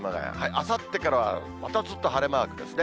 あさってからはまたずっと晴れマークですね。